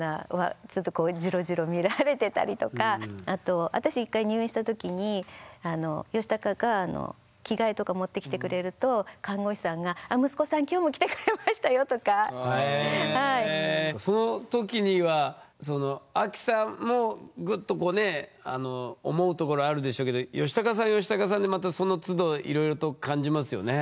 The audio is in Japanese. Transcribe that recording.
ちょっとこうあと私１回入院した時にヨシタカが着替えとか持ってきてくれるとえその時にはそのアキさんもグッとこうね思うところあるでしょうけどヨシタカさんはヨシタカさんでまたそのつどいろいろと感じますよね？